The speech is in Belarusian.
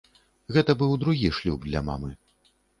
Гэта быў другі шлюб для мамы.